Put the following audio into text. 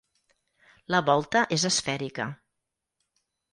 La volta és esfèrica.